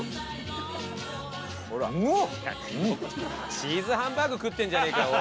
「チーズハンバーグ食ってんじゃねえかよおい」